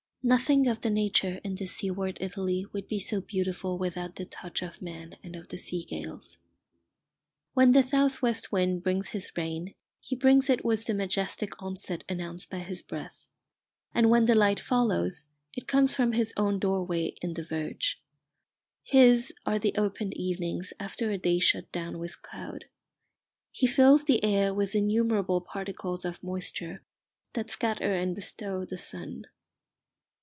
Nothing of the nature in this seaward Italy would be so beautiful without the touch of man and of the sea gales. When the south west wind brings his rain he brings it with the majestic onset announced by his breath. And when the light follows, it comes from his own doorway in the verge. His are the opened evenings after a day shut down with cloud. He fills the air with innumerable particles of moisture that scatter and bestow the sun.